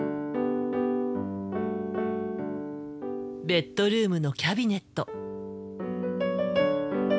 ベッドルームのキャビネット。